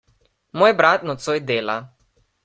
Moj brat nocoj dela.